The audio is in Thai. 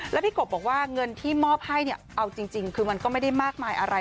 แล้วพี่กบบอกว่าเงินที่มอบให้เนี่ยเอาจริงคือมันก็ไม่ได้มากมายอะไร